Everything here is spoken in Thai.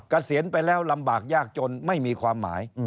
เกษียณไปแล้วลำบากยากจนไม่มีความหมาย